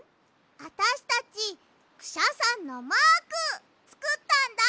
あたしたちクシャさんのマークつくったんだ。